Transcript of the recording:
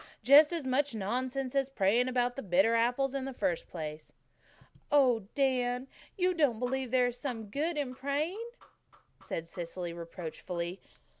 "Just as much nonsense as praying about the bitter apples in the first place." "Oh, Dan, don't you believe there is some good in praying?" said Cecily reproachfully.